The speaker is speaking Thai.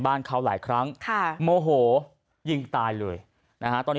บ้านเขาหลายครั้งค่ะโมโหยิงตายเลยนะฮะตอนนี้